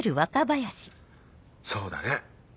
そうだね。